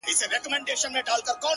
مسافر ليونى؛